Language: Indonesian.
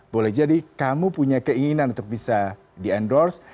boleh jadi kamu punya keinginan untuk bisa di endorse